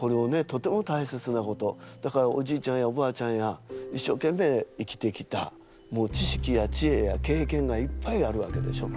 とても大切なことだからおじいちゃんやおばあちゃんやいっしょうけんめい生きてきたもう知識や知恵や経験がいっぱいあるわけでしょ。